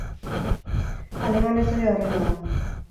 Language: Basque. Alemanez ere horrela da.